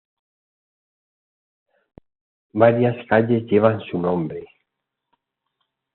Varias calles llevan su nombre.